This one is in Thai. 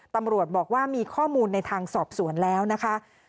ตำรวจบอกว่ามีข้อมูลในทางสอบสวนแล้วนะคะ